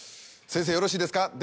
先生よろしいですか？